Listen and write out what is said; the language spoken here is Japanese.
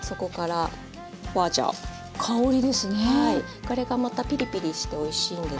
これがまたピリピリしておいしいんです。